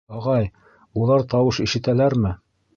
— Ағай, улар тауыш ишетәләрме?